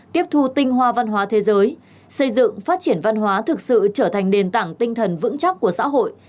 tiếp thu tinh hoa văn hóa thế giới xây dựng phát triển văn hóa thực sự trở thành nền tảng tinh thần vững chắc của xã hội